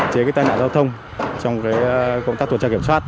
chế tai nạn giao thông trong công tác tuần tra kiểm soát